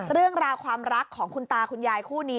เรื่องราวความรักของคุณตาคุณยายคู่นี้